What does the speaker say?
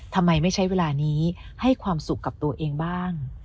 ทำไมไม่ใช้เวลานี้ให้ความสุขกับตัวเองบ้าง